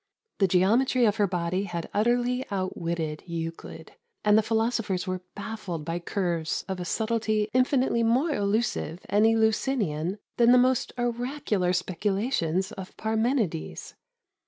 The geometry of her body had utterly outwitted Euclid, and the Philosophers were baffled by curves of a subtlety infinitely more elusive aud Eleusinian than the most oracular speculations of Parmenides.